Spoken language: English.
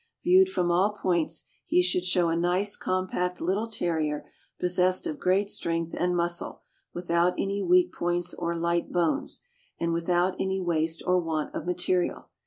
Viewed from all points, he should show a nice, compact little Terrier, possessed of great strength and muscle, without any weak points or light bones, and without any waste or want of material.